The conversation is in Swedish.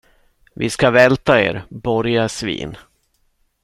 Vi ska välta er, borgarsvin.